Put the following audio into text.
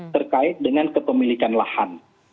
terkait dengan kepemilikan lahan